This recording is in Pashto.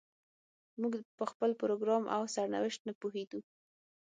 موږ په خپل پروګرام او سرنوشت نه پوهېدو.